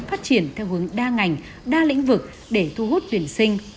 phát triển theo hướng đa ngành đa lĩnh vực để thu hút tuyển sinh